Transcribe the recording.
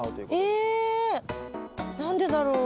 えっ何でだろう？